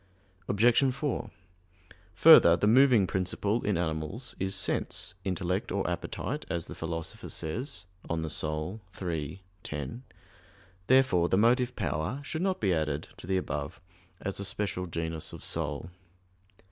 Obj. 4: Further, the moving principle in animals is sense, intellect or appetite, as the Philosopher says (De Anima iii, 10). Therefore the motive power should not be added to the above as a special genus of soul.